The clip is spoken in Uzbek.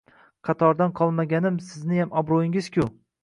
Qatordan qolmaganim sizniyam obroʻyingiz-ku